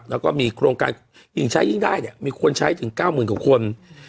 แล้วก็มีโครงการยิ่งใช้ยิ่งได้เนี่ยมีคนใช้ถึง๙๐๐กว่าคน